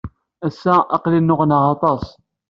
Ass-a, aql-iyi nneɣnaɣ aṭas.